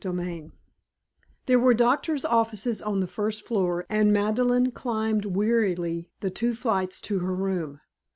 XXXVI There were doctors' offices on the first floor and Madeleine climbed wearily the two flights to her room.